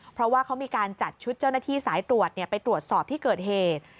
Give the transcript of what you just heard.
เพราะว่าเขามีการจัดชุดเจ้าหน้าที่สายตรวจไปตรวจสอบที่เกิดเหตุ